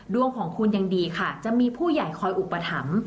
ดวงของคุณยังดีค่ะจะมีผู้ใหญ่คอยอุปถัมภ์